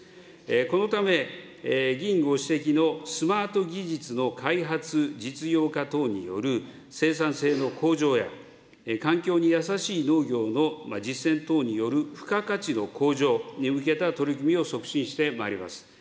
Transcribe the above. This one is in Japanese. このため、議員ご指摘のスマート技術の開発、実用化等による生産性の向上や、環境に優しい農業の実践等による付加価値の向上に向けた取り組みを促進してまいります。